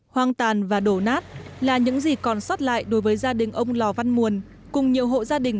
hoang tàn và đổ nát là những gì còn sót lại đối với gia đình ông lò văn muồn cùng nhiều hộ gia đình